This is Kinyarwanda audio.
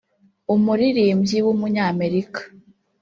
umuririmbyi w’umunyamerika